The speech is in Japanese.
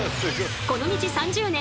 この道３０年